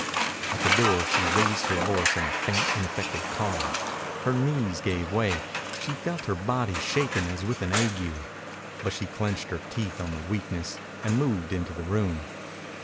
At the door she raised her voice in a faint, ineffective call. Her knees gave way. She felt her body shaking as with an ague. But she clenched her teeth on the weakness and moved into the room.